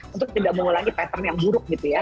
untuk tidak mengulangi pattern yang buruk gitu ya